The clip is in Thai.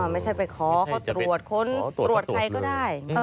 ไม่ใช่ไปขอเขาตรวจค้นตรวจใครก็ได้